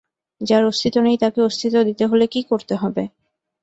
যার অস্তিত্ব নেই তাকে অস্তিত্ব দিতে হলে কি করতে হবে?